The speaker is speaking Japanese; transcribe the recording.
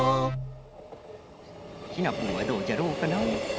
シナプーはどうじゃろうかな？